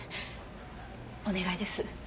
お願いです。